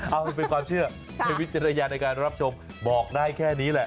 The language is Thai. เอาเป็นความเชื่อใช้วิจารณญาณในการรับชมบอกได้แค่นี้แหละ